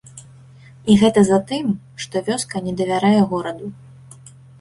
І гэта затым, што вёска не давярае гораду.